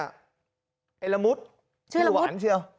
ไอ้ละมุดชื่อละมุดชื่อหวันใช่ไหม